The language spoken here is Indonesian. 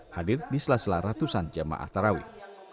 hadir di selaselaratusan jemaah tarawih